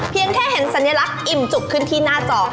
แค่เห็นสัญลักษณ์อิ่มจุกขึ้นที่หน้าจอ